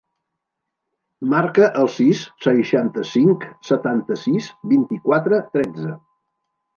Marca el sis, seixanta-cinc, setanta-sis, vint-i-quatre, tretze.